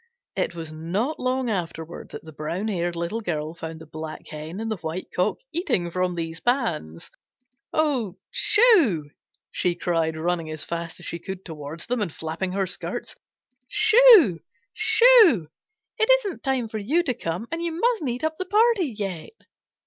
It was not long afterward that the brown haired Little Girl found the Black Hen and the White Cock eating from these pans. "Oh, shoo!" she cried, running as fast as she could toward them and flapping her skirts. "Shoo! Shoo! It isn't time for you to come, and you mustn't eat up the party yet."